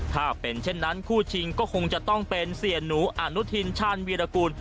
ถ้าเป็นเช่นนั้นคู่ชิงก็คงจะต้องเป็นเสียหนูอนุทินชาญวีรกูล